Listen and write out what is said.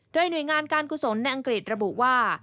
โดยหน่วยงานการกุศลในอังกฤษระบุว่า